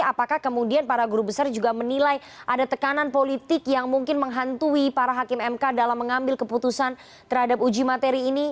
apakah kemudian para guru besar juga menilai ada tekanan politik yang mungkin menghantui para hakim mk dalam mengambil keputusan terhadap uji materi ini